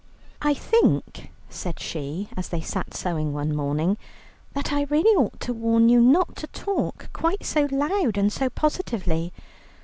"I think," said she, as they sat sewing one morning, "that I really ought to warn you not to talk quite so loud and so positively.